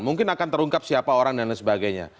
mungkin akan terungkap siapa orang dan lain sebagainya